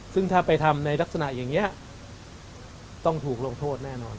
ซึ่งถ้าไปทำในลักษณะอย่างนี้ต้องถูกลงโทษแน่นอน